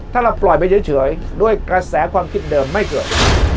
ถ้าเราปล่อยไปเฉยด้วยกระแสความคิดเดิมไม่เกิด